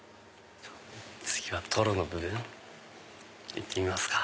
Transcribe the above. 次はトロの部分行ってみますか。